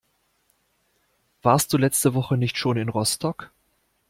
Warst du letzte Woche nicht schon in Rostock?